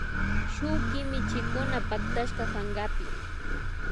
Shuk kimichikuna pactashka pankapi